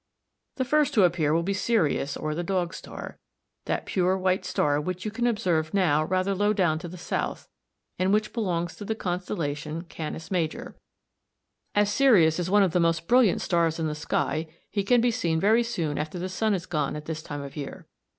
The first to appear will be Sirius or the dog star (see Fig. 54), that pure white star which you can observe now rather low down to the south, and which belongs to the constellation Canis Major. As Sirius is one of the most brilliant stars in the sky, he can be seen very soon after the sun is gone at this time of year.